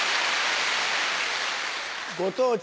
ご当地